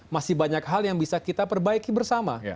masih banyak hal yang bisa kita perbaiki bersama